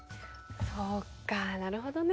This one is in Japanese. そっかなるほどね。